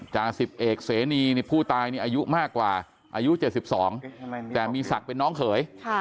จสิบเอกเสนนีผู้ตายอายุมากกว่าอายุ๗๒แต่มีสักเป็นน้องเขย